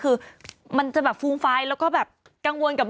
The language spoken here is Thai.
คุณหนุ่มกัญชัยได้เล่าใหญ่ใจความไปสักส่วนใหญ่แล้ว